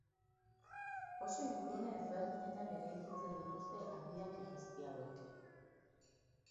Oso ingurune ezberdinetan eraikitzen dituzte habiak hegazti hauek.